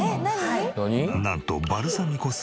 なんとバルサミコ酢！？